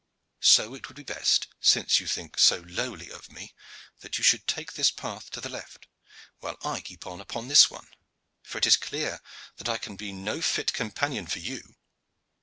So it would be best, since you think so lowly of me, that you should take this path to the left while I keep on upon this one; for it is clear that I can be no fit companion for you."